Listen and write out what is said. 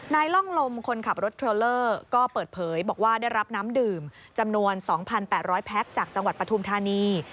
ล่องลมคนขับรถเทรลเลอร์ก็เปิดเผยบอกว่าได้รับน้ำดื่มจำนวน๒๘๐๐แพ็คจากจังหวัดปฐุมธานี